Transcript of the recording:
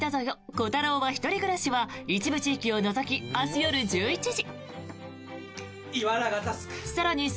コタローは１人暮らし」は一部地域を除き、明日夜１１時。